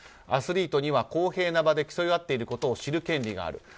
アスリートには公平な場で競い合っていることを知る権利がある。